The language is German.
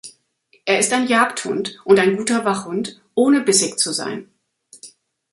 Er ist ein Jagdhund und ein guter Wachhund ohne bissig zu sein.